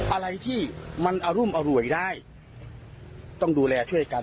อะไรที่มันอรุมอร่วยได้ต้องดูแลช่วยกัน